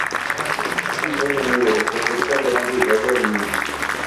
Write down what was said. Es un pez omnívoro que acepta gran variedad de alimentos.